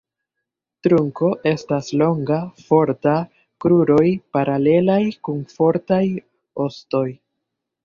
Trunko estas longa, forta; kruroj paralelaj kun fortaj ostoj.